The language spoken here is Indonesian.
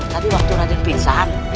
tadi waktu raden pingsan